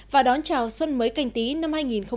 và đón chào xuân mới canh tí năm hai nghìn hai mươi